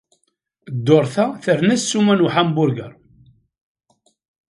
Dduṛt-a, terna ssuma n uhamburger.